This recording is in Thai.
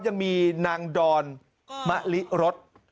ยังมีนางดอนมะลิรส